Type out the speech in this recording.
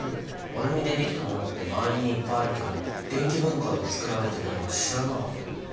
アルミでできたものって回りにいっぱいあるけど電気分解で作られてるなんて知らなかったよ。